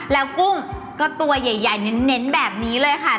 แล้วกุ้งก็ตัวใหญ่เน้นแบบนี้เลยค่ะ